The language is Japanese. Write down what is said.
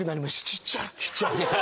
ちっちゃい。